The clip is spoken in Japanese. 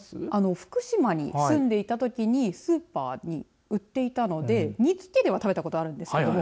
福島に住んでいたときにスーパーに売っていたので煮付けでは食べたんですけど。